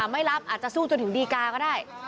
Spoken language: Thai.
ไม่รับอาจจะสู้จนถึงดีกาก็ได้